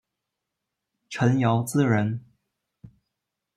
陈尧咨人。